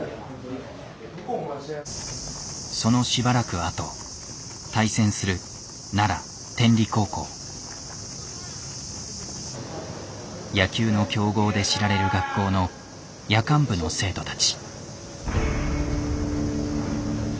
そのしばらくあと対戦する野球の強豪で知られる学校の夜間部の生徒たち。